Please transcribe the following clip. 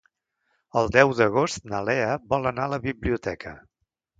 El deu d'agost na Lea vol anar a la biblioteca.